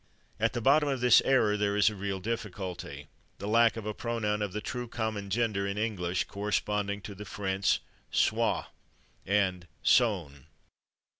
At the bottom of this error there is a real difficulty: the lack of a pronoun of the true common gender in English, corresponding to the French /soi/ and /son